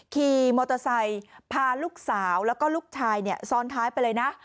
ขี่มอเตอร์ไซค์พาลูกสาวแล้วก็ลูกชายซ้อนท้ายไปเลยนะ